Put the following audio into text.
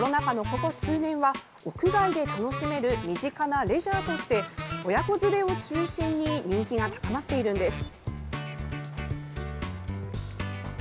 ここ数年は屋外で楽しめる身近なレジャーとして親子連れを中心に人気が高まっているんです。